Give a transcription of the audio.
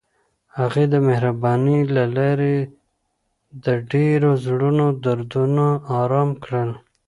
هغې د مهربانۍ له لارې د ډېرو زړونو دردونه ارام کړل.